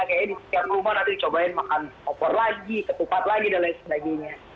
kayaknya di setiap rumah nanti dicobain makan opor lagi ketupat lagi dan lain sebagainya